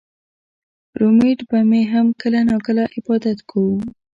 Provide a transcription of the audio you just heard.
رومېټ به مې هم کله نا کله عبادت کوو